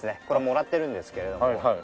これもらってるんですけれども。